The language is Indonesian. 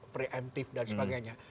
pre emptif dan sebagainya